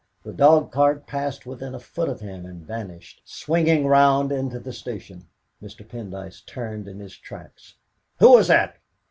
The dog cart passed within a foot of him and vanished, swinging round into the station. Mr. Pendyce turned in his tracks. "Who was that?